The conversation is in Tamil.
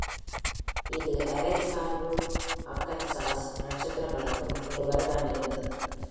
இது அரை-சார்பு ஆர்கன்சாஸ் நட்சத்திரங்களுக்கும் ஒரு வருடம் இருந்தது.